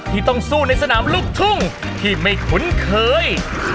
ที่ต้องสู้ในสนามลูกทุ่งที่ไม่คุ้นเคย